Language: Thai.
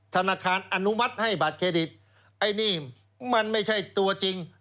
ธนาคารอนุมัติให้บัตรเครดิตไอ้นี่มันไม่ใช่ตัวจริง